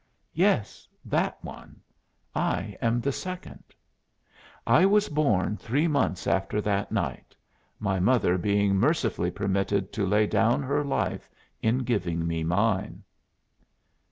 "Yes, that one I am the second. I was born three months after that night, my mother being mercifully permitted to lay down her life in giving me mine."